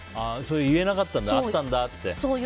言えなかったんだ、あったって。